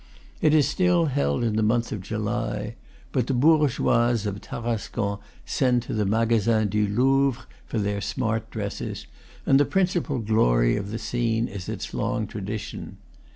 It is still held in the month of July; but the bourgeoises of Tarascon send to the Magasin du Louvre for their smart dresses, and the principal glory of the scene is its long tradition.